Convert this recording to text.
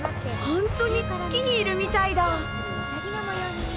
ほんとに月にいるみたいだ。